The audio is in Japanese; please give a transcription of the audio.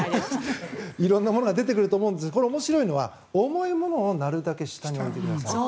色んなものが出てくると思いますが、面白いのは重いものをなるたけ下に置いてくださいと。